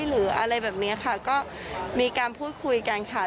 หรืออะไรแบบนี้ค่ะก็มีการพูดคุยกันค่ะ